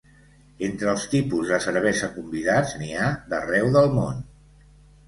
Entre els tipus de cervesa convidats, n’hi ha d’arreu del món.